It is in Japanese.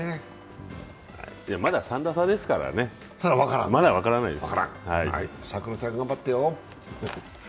まだ３打差ですから、まだ分からないです